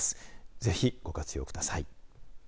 ぜひ、ご活用ください。